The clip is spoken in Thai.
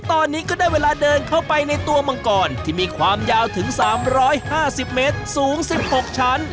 ตอนนี้ก็ได้เวลาเดินเข้าไปในตัวมังกรที่มีความยาวถึงสามร้อยห้าสิบเมตรสูงสิบหกชั้น